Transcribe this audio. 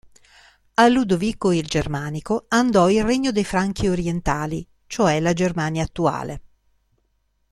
A Ludovico il Germanico andò il regno dei Franchi orientali, cioè la Germania attuale.